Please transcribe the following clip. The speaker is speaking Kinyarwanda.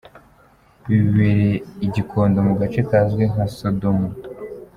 Ibi bibereye i Gikondo mu gace kazwi nka Sodomo.